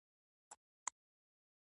تر سپیدو پوري د ستورو